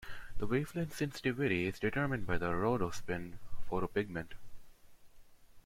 The wavelength sensitivity is determined by the rhodopsin photopigment.